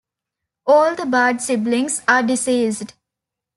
All the Bard siblings are deceased.